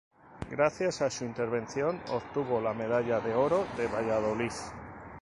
Gracias a su interpretación obtuvo la Medalla de Oro de Valladolid.